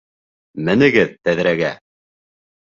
Менегеҙ тәҙрәгә!